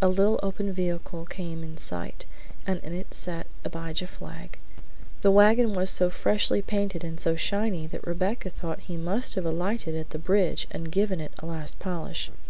A little open vehicle came in sight, and in it sat Abijah Flagg. The wagon was so freshly painted and so shiny that Rebecca thought that he must have alighted at the bridge and given it a last polish.